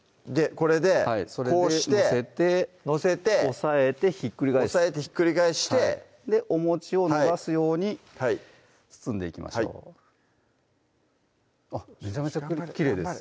これでこうして載せて押さえてひっくり返す押さえてひっくり返しておもちを伸ばすように包んでいきましょうめちゃめちゃきれいです